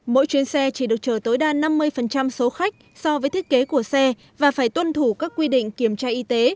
mỗi chuyến xe chỉ được chở tối đa năm mươi số khách so với thiết kế của xe và phải tuân thủ các quy định kiểm tra y tế